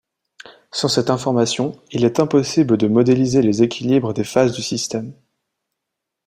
Sans cette information, il est impossible de modéliser les équilibres des phases du système.